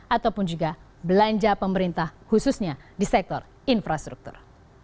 ataupun juga belanja pemerintah khususnya di sektor infrastruktur